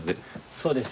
そうです。